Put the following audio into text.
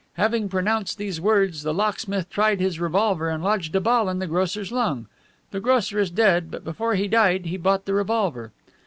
Having pronounced these words, the locksmith tried his revolver and lodged a ball in the grocer's lung. The grocer is dead, but before he died he bought the revolver.